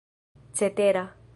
cetera